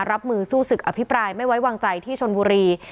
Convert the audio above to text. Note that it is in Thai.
รับมือสู้ศึกอภิปรายไม่ไว้วางใจที่ชนบุรี